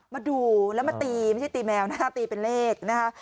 มาดูแล้วมาตีไม่ใช่ตีแมวนะคะตีเป็นเลขนะคะ